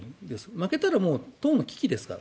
負けたらもう党の危機ですから。